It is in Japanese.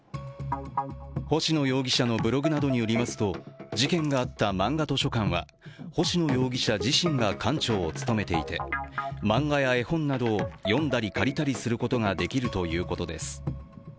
星野容疑者のブログなどによりますと、事件があったまんが図書館は星野容疑者自身が館長を務めていて漫画や絵本などを読んだり借りたりすることができるということです。